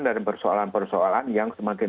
dan persoalan persoalan yang semakin